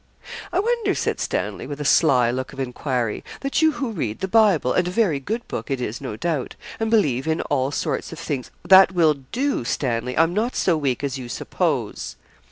'I wonder,' said Stanley, with a sly look of enquiry, 'that you who read the Bible and a very good book it is no doubt and believe in all sorts of things ' 'That will do, Stanley. I'm not so weak as you suppose.'